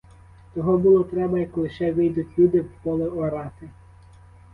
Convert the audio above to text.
Того було треба, як лише вийдуть люди в поле орати.